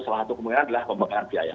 salah satu kemungkinan adalah pembakaran biaya